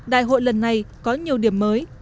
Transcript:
đại hội lần này có nhiều điểm mới